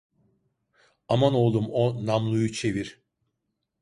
Aman oğlum o namluyu çevir.